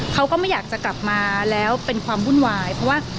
เขาก็ไม่อยากจะกลับมาแล้วเป็นความวุ่นวายเพราะว่า